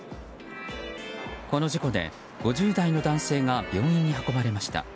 この事故で５０代の男性が病院に運ばれました。